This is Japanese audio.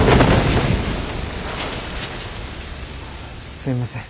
すいません。